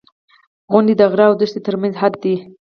• غونډۍ د غره او دښتې ترمنځ حد دی.